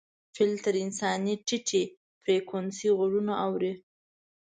فیل تر انسان ټیټې فریکونسۍ غږونه اوري.